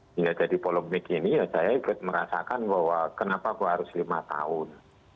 hingga jadi polemik ini ya saya ikut merasakan bahwa kenapa kok harus lima tahun